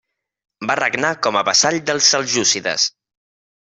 Va regnar com a vassall dels seljúcides.